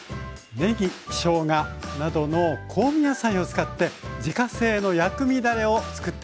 ねぎしょうがなどの香味野菜を使って自家製の薬味だれをつくってみませんか？